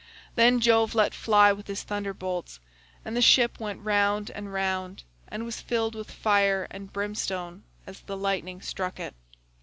"Then Jove let fly with his thunderbolts, and the ship went round and round, and was filled with fire and brimstone as the lightning struck it.